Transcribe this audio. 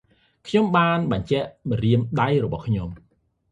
ខ្ញុំបានជញ្ជក់ម្រាមដៃរបស់ខ្ញុំ។